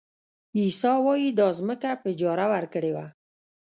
عیسی وایي دا ځمکه په اجاره ورکړې وه.